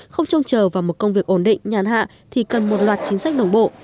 không trông chờ vào một công việc ổn định nhàn hạ thì cần một loạt chính sách đồng bộ